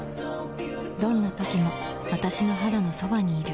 どんな時も私の肌のそばにいる